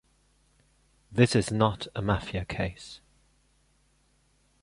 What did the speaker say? This is not a Mafia case.